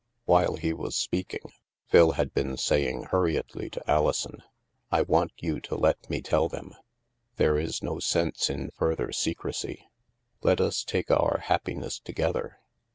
While he was speaking, Phil had been saying hur riedly to Alison :" I want you to let me tell them. There is no sense in further secrecy. Let us take our happiness together.